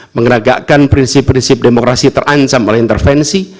meneragakkan prinsip prinsip demokrasi terancam oleh intervensi